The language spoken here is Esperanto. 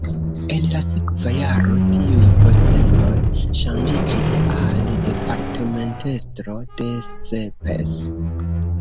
En la sekva jaro tiuj postenoj ŝanĝiĝis al departementestro de Szepes.